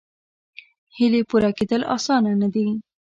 هیلې پوره کېدل اسانه نه دي.